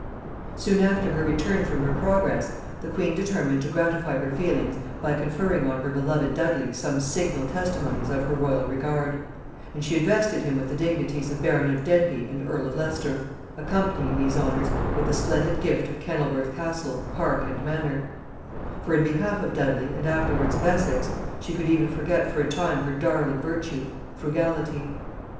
] Soon after her return from her progress, the queen determined to gratify her feelings by conferring on her beloved Dudley some signal testimonies of her royal regard; and she invested him with the dignities of baron of Denbigh and earl of Leicester, accompanying these honors with the splendid gift of Kennelworth Castle, park and manor: for in behalf of Dudley, and afterwards of Essex, she could even forget for a time her darling virtue, frugality.